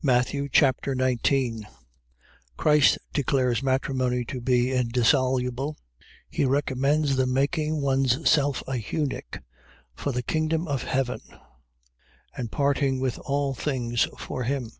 Matthew Chapter 19 Christ declares matrimony to be indissoluble: he recommends the making one's self an eunuch for the kingdom of heaven; and parting with all things for him.